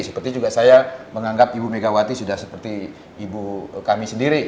seperti juga saya menganggap ibu megawati sudah seperti ibu kami sendiri